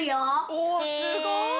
おおすごい！